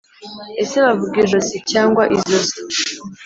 Ese bavuga ijosi cyangwa izosi